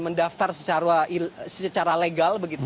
mendaftar secara legal